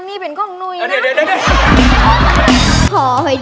น้องไมโครโฟนจากทีมมังกรจิ๋วเจ้าพญา